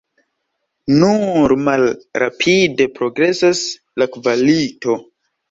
Nur malrapide progresas la kvalito.